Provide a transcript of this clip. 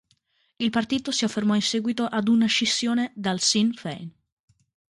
Il partito si affermò in seguito ad una scissione dal Sinn Féin.